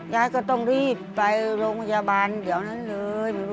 ยายก็ต้องรีบไปโรงพยาบาลเดี๋ยวนั้นเลย